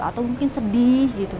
atau mungkin sedih gitu